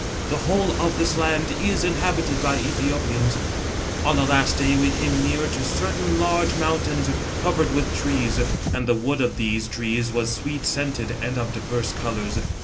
The whole of this land is inhabited by ^Ethiopians. " On the last day, we came near to certain large mountains, covered with trees, and the wood of these trees was sweet scented and of divers colours.